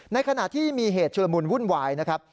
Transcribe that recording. ในขณะที่มีเหตุชุลมุนวุ่นวายนะครับ